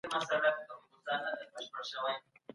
دغه کوچنی چي دی د جنګ دپاره هیڅ مینه نلري.